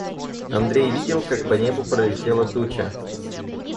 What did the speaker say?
Андрей видел, как по небу пролетела туча.